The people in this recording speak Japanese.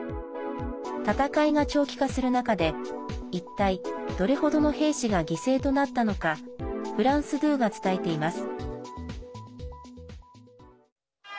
戦いが長期化する中で一体どれほどの兵士が犠牲となったのかフランス２が伝えています。